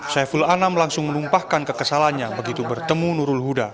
saiful anam langsung menumpahkan kekesalannya begitu bertemu nurul huda